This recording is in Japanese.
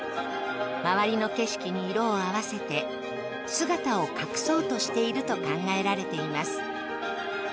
周りの景色に色を合わせて、姿を隠そうとしていると考えられています。